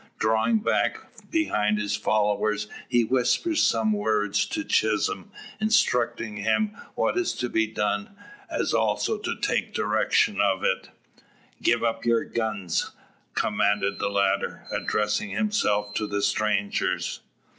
Drawing back behind his followers, he whispers some words to Chisholm, instructing him what is to be done, as also to take direction of it. "Give up yer guns!" commands the latter, addressing himself to the strangers.